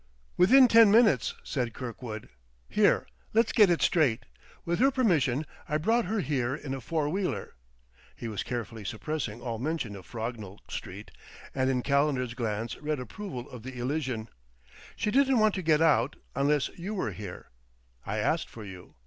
"Within ten minutes," said Kirkwood. "Here, let's get it straight.... With her permission I brought her here in a four wheeler." He was carefully suppressing all mention of Frognall Street, and in Calendar's glance read approval of the elision. "She didn't want to get out, unless you were here. I asked for you.